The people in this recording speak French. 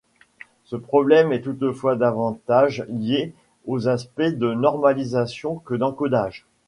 Ce problème est toutefois davantage lié aux aspects de normalisation que d’encodage.